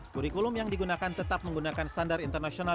kurikulum yang digunakan tetap menggunakan standar internasional